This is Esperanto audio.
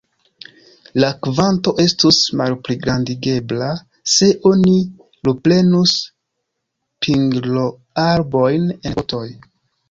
La kvanto estus malpligrandigebla, se oni luprenus pingloarbojn en potoj.